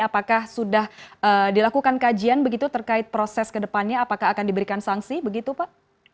apakah sudah dilakukan kajian begitu terkait proses kedepannya apakah akan diberikan sanksi begitu pak